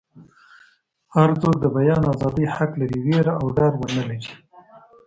هر څوک د بیان ازادي حق لري ویره او ډار ونه لري.